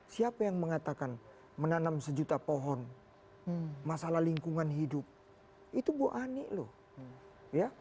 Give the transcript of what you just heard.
siapa yang mengatakan menanam sejuta pohon masalah lingkungan hidup itu bu ani loh ya